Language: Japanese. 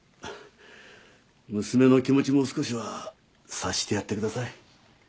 娘の気持ちも少しは察してやってください。